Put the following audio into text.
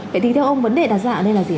vậy thì theo ông vấn đề đặt ra ở đây là gì